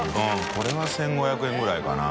海譴１５００円ぐらいかな。